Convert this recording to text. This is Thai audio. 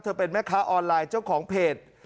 เป็นแม่ค้าออนไลน์เจ้าของเพจ